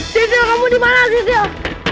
cecil kamu dimana cecil